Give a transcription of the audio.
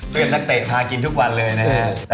เพื่อนนักเตะพากินทุกวันเลยนะครับ